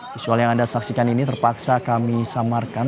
visual yang anda saksikan ini terpaksa kami samarkan